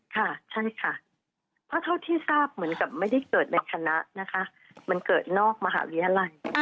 ค่ะใช่ค่ะเพราะเท่าที่ทราบเหมือนกับไม่ได้เกิดในคณะนะคะมันเกิดนอกมหาวิทยาลัย